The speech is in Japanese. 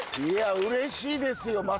いや嬉しいですよ